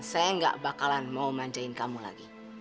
saya gak bakalan mau manjain kamu lagi